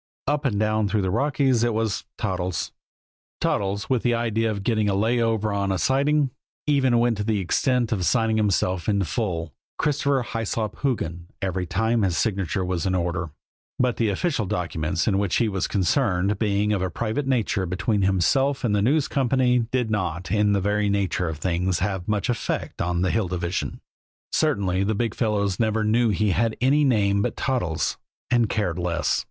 Up and down through the Rockies it was Toddles. Toddles, with the idea of getting a lay over on a siding, even went to the extent of signing himself in full Christopher Hyslop Hoogan every time his signature was in order; but the official documents in which he was concerned, being of a private nature between himself and the News Company, did not, in the very nature of things, have much effect on the Hill Division. Certainly the big fellows never knew he had any name but Toddles and cared less.